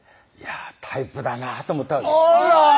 タイプだなと思ったあら！